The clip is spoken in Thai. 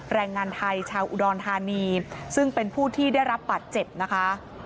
แรงงานไทยชาวอุดรธานีซึ่งเป็นผู้ที่ได้รับบาดเจ็บนะคะ